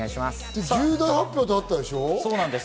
重大発表ってあったでしょう？